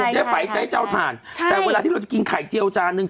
เจ๊ไฝจะให้เจ้าถ่านแต่เวลาที่เราจะกินไข่เจียวจานนึง